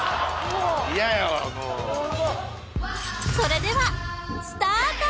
もうそれではスタート！